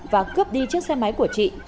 và cướp đi chiếc xe máy của chị